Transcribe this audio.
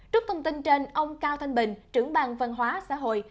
trước thông tin trên ông cao thanh bình trưởng bang văn hóa xã hội